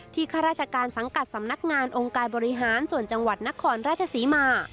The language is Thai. ข้าราชการสังกัดสำนักงานองค์การบริหารส่วนจังหวัดนครราชศรีมา